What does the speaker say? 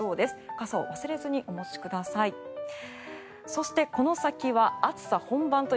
傘を忘れずにお持ちください。